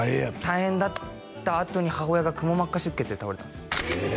大変だったあとに母親がくも膜下出血で倒れたんですよえ！